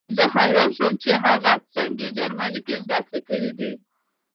زه حیران شوم چې هغې څنګه جرمني زده کړې ده